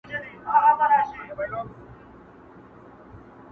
څوک نیژدې نه راښکاریږي!